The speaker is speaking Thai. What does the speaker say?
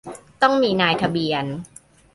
ต้องมีนายทะเบียน